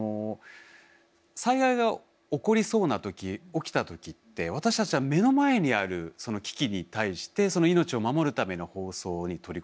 災害が起こりそうなとき起きたときって私たちは目の前にあるその危機に対して命を守るための放送に取り組んでいます。